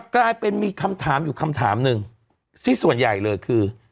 กลายเป็นมีคำถามอยู่คำถามหนึ่งที่ส่วนใหญ่เลยคือ